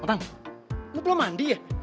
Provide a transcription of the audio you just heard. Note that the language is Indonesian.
orang lo belum mandi ya